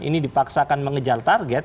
ini dipaksakan mengejar target